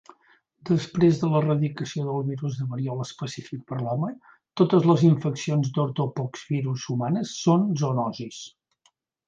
Després de l'eradicació del virus de variola específic per a l'home, totes les infeccions d'Ortopoxvirus humanes són zoonosis.